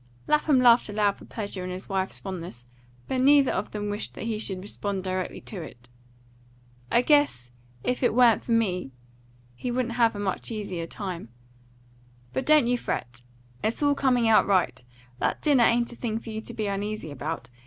Lapham laughed aloud for pleasure in his wife's fondness; but neither of them wished that he should respond directly to it. "I guess, if it wa'n't for me, he wouldn't have a much easier time. But don't you fret! It's all coming out right. That dinner ain't a thing for you to be uneasy about.